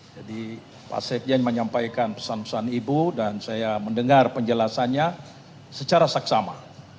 jadi pak sekjen menyampaikan pesan pesan ibu dan saya mendengar penjelasannya secara saksama